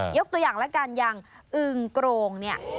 ยกตัวอย่างละกันอย่างอึงโกรงเนี่ย